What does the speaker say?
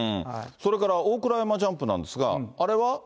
それから、大倉山ジャンプなんですが、あれは？